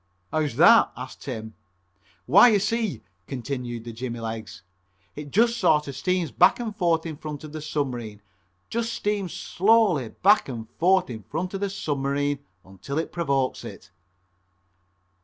"How's that?" asked Tim. "Why, you see," continued the jimmy legs, "it just sort of steams back and forth in front of the submarine, just steams slowly back and forth in front of the submarine until it provokes it."